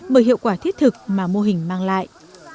bởi hiệu quả thiết thực mà mô hình mang lại